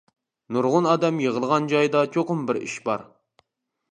نۇرغۇن ئادەم يىغىلغان جايدا چوقۇم بىر ئىش بار!